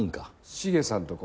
シゲさんとこ。